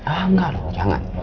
enggak lho jangan